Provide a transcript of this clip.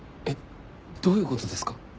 えっどういう事ですか？